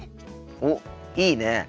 おっいいねえ。